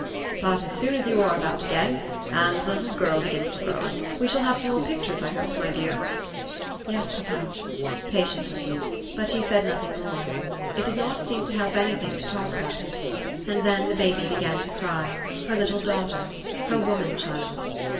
"But as soon as you are about again and the little girl begins to grow, we shall have some more pictures I hope, my dear? "" Yes, papa," patiently. But she said nothing more. It did not seem to help any thing to talk about it. And then the baby began to cry her little daughter her woman child.